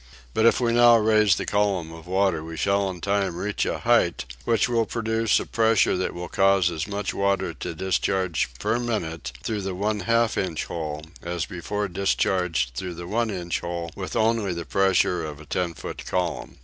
But if now we raise the column of water we shall in time reach a height which will produce a pressure that will cause as much water to discharge per minute through the one half inch hole as before discharged through the one inch hole with only the pressure of a ten foot column.